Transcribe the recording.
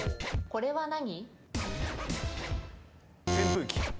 これは何？